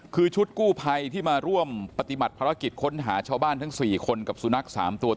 คือชุดกู้ภัยที่มาร่วมปฏิบัติภารกิจค้นหาชาวบ้านทั้ง๔คนกับสุนัข๓ตัว